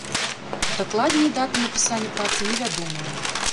Дакладная дата напісання працы невядомая.